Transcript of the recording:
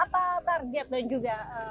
apa target dan juga